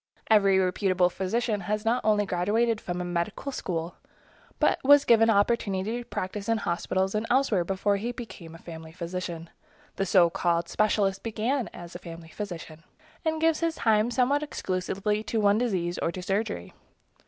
Every reputable physician has not only graduated from a medical school, but was given opportunity to practice in hospitals and elsewhere before he became a family physician. The so called specialist began as a family physician, and gives his time somewhat exclusively to one disease or to surgery.